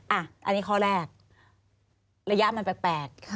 อันนี้ข้อแรกระยะมันแปลก